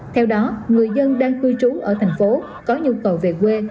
theo đó người dân đang cư trú ở thành phố có nhu cầu về quê